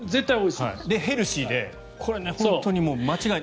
ヘルシーで、本当に間違いない。